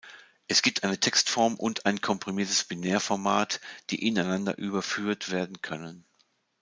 Es gibt eine Textform und ein komprimiertes Binärformat, die ineinander überführt werden können.